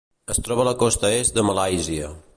Es troba a la costa est de malàisia.